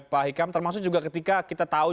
pak hikam termasuk juga ketika kita tahu